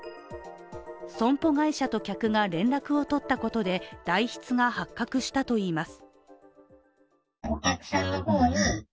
損保会社と客が連絡を取ったことで代筆が発覚したといいます。